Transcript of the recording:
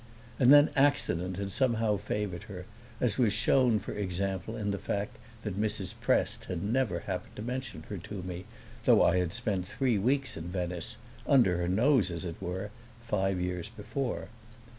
And then accident had somehow favored her, as was shown for example in the fact that Mrs. Prest had never happened to mention her to me, though I had spent three weeks in Venice under her nose, as it were five years before.